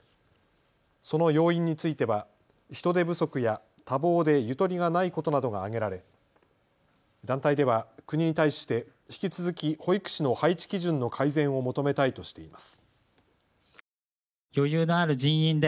その要因については人手不足や多忙でゆとりがないことなどが挙げられ団体では国に対して引き続き保育士の配置基準の改善を求めたいとしています。